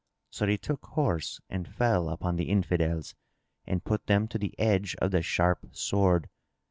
So they took horse and fell upon the Infidels and put them to the edge of the sharp sword.